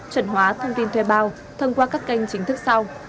chuẩn hóa thông tin thuê bao thông qua các kênh chính thức sau